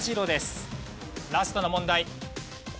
ラストの問題。